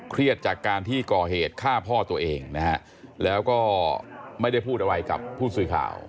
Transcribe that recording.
จากการที่ก่อเหตุฆ่าพ่อตัวเองนะฮะแล้วก็ไม่ได้พูดอะไรกับผู้สื่อข่าว